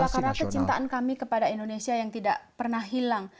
karena kecintaan kami kepada indonesia yang tidak pernah hilang